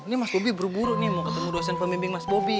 ini mas bobi buru buru nih mau ketemu dosen pemimpin mas bobi